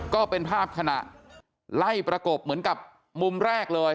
ก็เป็นภาพขณะไล่ประกบเหมือนกับมุมแรกเลย